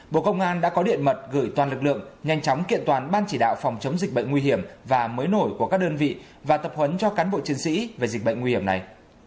bộ công an đã có điện mật gửi toàn lực lượng nhanh chóng kiện toàn ban chỉ đạo phòng chống dịch bệnh nguy hiểm và mới nổi của các đơn vị và tập huấn cho cán bộ chiến sĩ về dịch bệnh nguy hiểm này